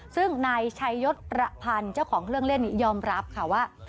ซึ่งนายชัยยศประพันธ์เจ้าของเครื่องเล่นนี้ยอมรับค่ะว่า